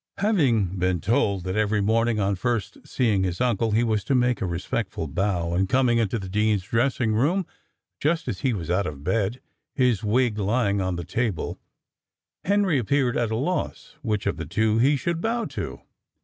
Having been told that every morning, on first seeing his uncle, he was to make a respectful bow; and coming into the dean's dressing room just as he was out of bed, his wig lying on the table, Henry appeared at a loss which of the two he should bow to.